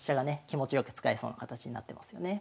気持ち良く使えそうな形になってますよね。